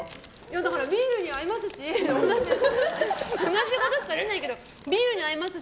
だから、ビールに合いますし同じことしか出ないけどビールに合いますし